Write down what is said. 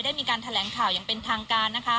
ได้มีการแถลงข่าวอย่างเป็นทางการนะคะ